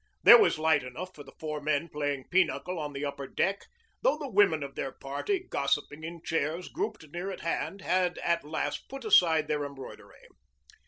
There was light enough for the four men playing pinochle on the upper deck, though the women of their party, gossiping in chairs grouped near at hand, had at last put aside their embroidery.